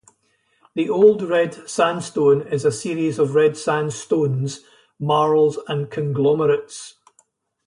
The Old Red Sandstone is a series of red sandstones, marls and conglomerates.